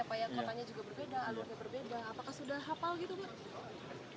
apakah sudah hafal gitu pak